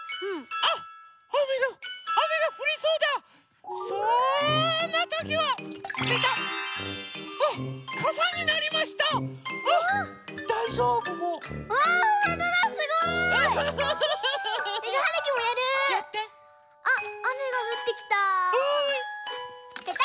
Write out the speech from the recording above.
あっあめがふってきた。